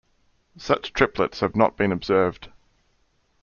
Such triplets have not been observed.